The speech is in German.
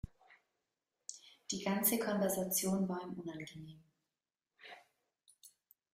Die ganze Konversation war ihm unangenehm.